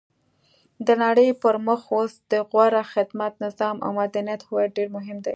د نړۍ پرمخ اوس د غوره خدمت، نظام او مدنیت هویت ډېر مهم دی.